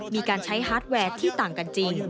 มีการใช้ฮาร์ดแวร์ที่ต่างกันจริง